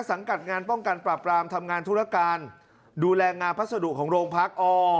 สังกัดงานป้องกันปราบรามทำงานธุรการดูแลงานพัสดุของโรงพัก